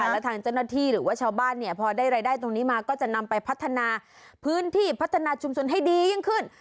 และทางเจ้าหน้าที่หรือว่าชาวบ้านเนี่ยพอได้รายได้ตรงนี้มาก็จะนำไปพัฒนาพื้นที่พัฒนาชุมชนให้ดียิ่งขึ้น